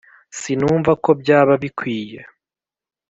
sinumva ko byaba bikwiye